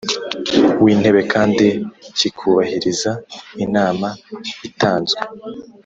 W intebe kandi kikubahiriza inama itanzwe